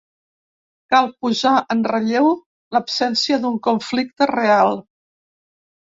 Cal posar en relleu l’absència d’un conflicte real.